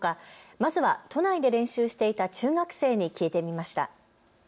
まずは都内で練習していた中学生に聞いてみました。